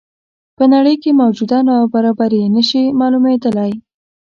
په نړۍ کې موجوده نابرابري نه شي معلومېدلی.